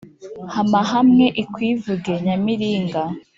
Hama hamwe ikwivuge Nyamiringa*